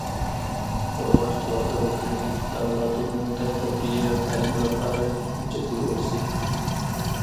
پر وخت واده وکړي د اولادونو د تربی او تعليم لپاره جدي اوسی